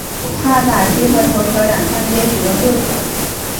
他打击和投球两项皆使用右手。